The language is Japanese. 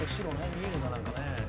見えるなんかね。